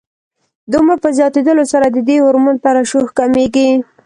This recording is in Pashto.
د عمر په زیاتېدلو سره د دې هورمون ترشح کمېږي.